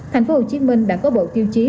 thành phố hồ chí minh đã có bộ tiêu chí